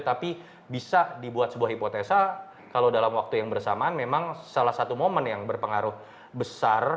tapi bisa dibuat sebuah hipotesa kalau dalam waktu yang bersamaan memang salah satu momen yang berpengaruh besar